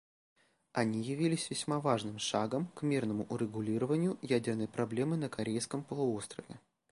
Они явились весьма важным шагом к мирному урегулированию ядерной проблемы на Корейском полуострове.